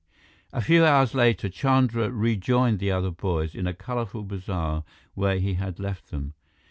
A few hours later, Chandra rejoined the other boys in a colorful bazaar where he had left them.